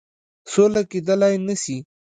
سوله کېدلای نه سي.